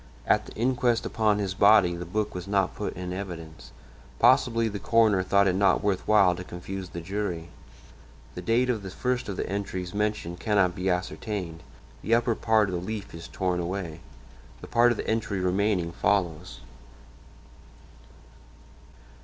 At the inquest upon his body the book was not put in evidence; possibly the coroner thought it not worth while to confuse the jury. The date of the first of the entries mentioned cannot be ascertained; the upper part of the leaf is torn away; the part of the entry remaining follows